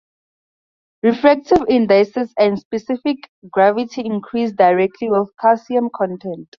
Refractive indices and specific gravity increase directly with calcium content.